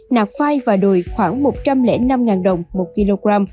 nạc phai và đùi khoảng một trăm linh năm đồng một kg